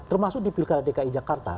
termasuk di pilkada dki jakarta